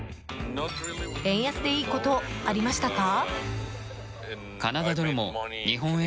円安でいいことありましたか？